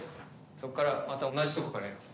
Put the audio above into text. そこからまた同じとこからやろう。